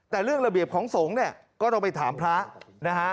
แต่เรื่องระเบียบของสงฆ์เนี่ยก็ต้องไปถามพระนะฮะ